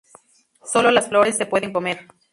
Sólo las flores se pueden comer.